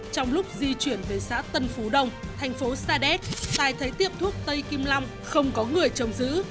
trong lúc di chuyển về xã tân phú đông thành phố sa đéc xài thấy tiệm thuốc tây kim long không có người trồng giữ